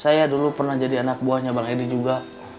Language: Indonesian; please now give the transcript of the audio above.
saya dulu pernah jadi anak buahnya bang edi juga